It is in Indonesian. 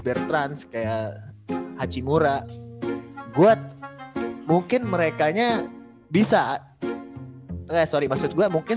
bertrand kayak hachimura buat mungkin merekanya bisa eh sorry maksud gue mungkin